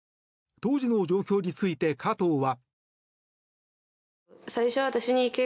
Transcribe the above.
当時の状況について加藤は。